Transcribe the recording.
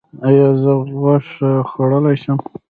ایا زه غوښه خوړلی شم؟